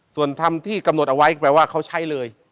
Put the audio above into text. ส่วนธรรมที่กำหนดเอาไว้แปลว่าเขาใช้เลย